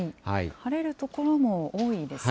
晴れる所も多いですね。